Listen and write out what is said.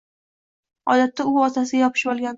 O‘shanda u otasiga yopishib yig‘lagandi.